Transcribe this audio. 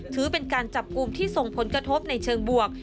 ถือเป็นการจับกลุ่มที่ส่งผลกระทบในเชิงบวก